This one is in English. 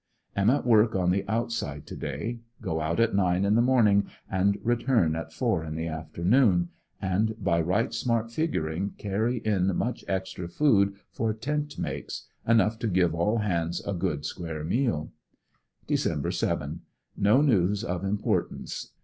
Am at work on the outside to day; go out at nine in the morning and return at four in the afternoon, and by right smart figuring carry in much extra food for tent mates, enough to give all hands a good square meal. Dec. 7* — No news of importance.